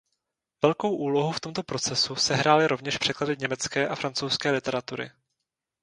Velkou úlohu v tomto procesu sehrály rovněž překlady německé a francouzské literatury.